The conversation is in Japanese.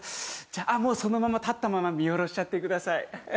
じゃあそのまま立ったまま見下ろしちゃってください。